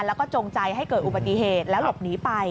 แล้วก็จงใจให้เกิดอุบัติเหตุแล้วหลบหนีไป